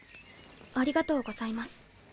ありがとうございます。